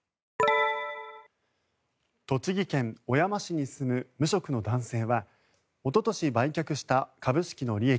栃木県小山市に住む無職の男性はおととし売却した株式の利益